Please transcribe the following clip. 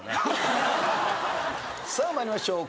さあ参りましょう。